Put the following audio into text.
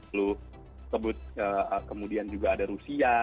lalu sebut kemudian juga ada rusia